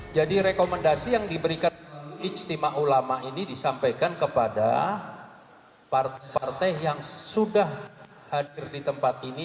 jadi rekomendasi yang diberikan istimewa ulama ini disampaikan kepada partai partai yang sudah hadir di tempat ini